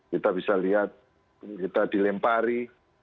kita bisa lihat kita dilempari